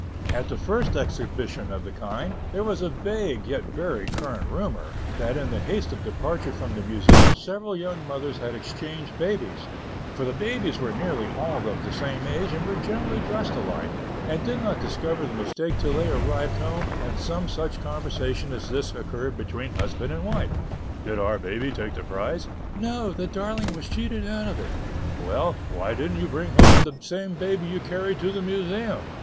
At the first exhibition of the kind, there was a vague, yet very current rumor, that in the haste of departure from the Museum several young mothers had exchanged babies (for the babies were nearly all of the same age and were generally dressed alike) and did not discover the mistake till they arrived home and some such conversation as this occurred between husband and wife: "Did our baby take the prize?" "No! the darling was cheated out of it." "Well, why didn't you bring home the same baby you carried to the Museum?"